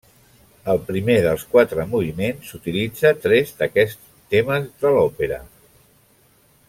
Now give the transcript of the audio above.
El primer dels quatre moviments utilitza tres d'aquests temes de l'òpera.